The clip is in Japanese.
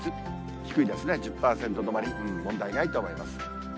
低いですね、１０％止まり、問題ないと思います。